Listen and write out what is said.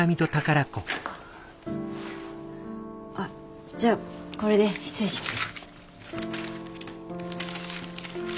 あっじゃあこれで失礼します。